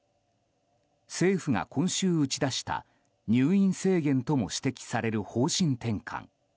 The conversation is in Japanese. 政府が今週打ち出した入院制限とも指摘される方針転換。